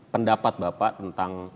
pendapat bapak tentang